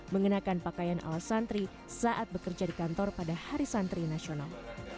mengenakan pakaian ala santri saat bekerja di kantor pada hari santri nasional